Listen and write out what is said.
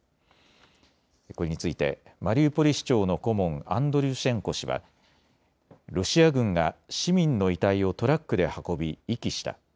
これについてマリウポリ市長の顧問、アンドリュシェンコ氏はロシア軍が市民の遺体をトラックで運び、遺棄した。